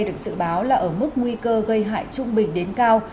được dự báo là ở mức nguy cơ gây hại trung bình đến cao